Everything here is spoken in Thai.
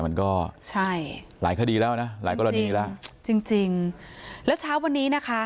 มันก็ใช่หลายคดีแล้วนะหลายกรณีแล้วจริงจริงแล้วเช้าวันนี้นะคะ